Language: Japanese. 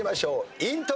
イントロ。